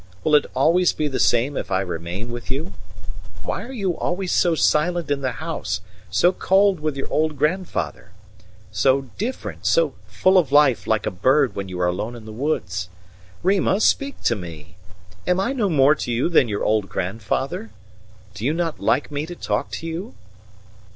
Will it always be the same if I remain with you? Why are you always so silent in the house, so cold with your old grandfather? So different so full of life, like a bird, when you are alone in the woods? Rima, speak to me! Am I no more to you than your old grandfather? Do you not like me to talk to you?"